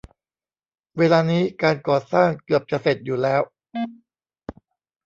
เวลานี้การก่อสร้างเกือบจะเสร็จอยู่แล้ว